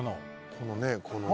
「このねこの」